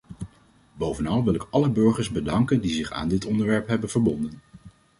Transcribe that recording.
Bovenal wil ik alle burgers bedanken die zich aan dit onderwerp hebben verbonden.